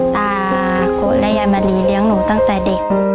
ตาโกะและยายมณีเลี้ยงหนูตั้งแต่เด็ก